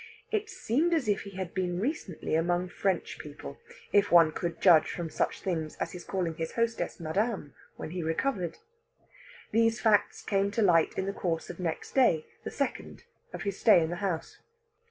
It seemed as if he had been recently among French people, if one could judge from such things as his calling his hostess "Madame" when he recovered. These facts came to light in the course of next day, the second of his stay in the house.